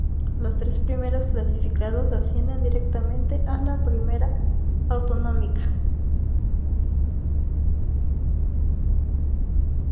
Los tres primeros clasificados ascienden directamente a la Primera Autonómica.